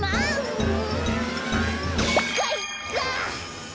うかいか！